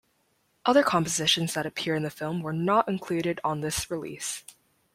Other compositions that appear in the film were not included on this release.